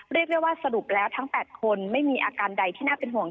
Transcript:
เรียกได้ว่าสรุปแล้วทั้ง๘คนไม่มีอาการใดที่น่าเป็นห่วง